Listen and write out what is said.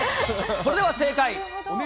それでは正解。